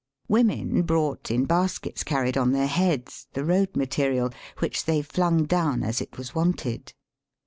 Women brought in baskets, carried on their heads, th.e road material, which they flung down as it was wanted.